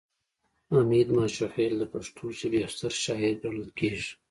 حمید ماشوخیل د پښتو ژبې یو ستر شاعر ګڼل کیږي